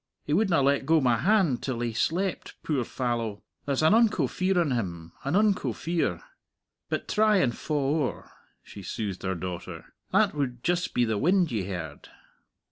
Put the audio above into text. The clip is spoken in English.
He wouldna let go my hand till he slept, puir fallow. There's an unco fear on him an unco fear. But try and fa' owre," she soothed her daughter. "That would just be the wind ye heard."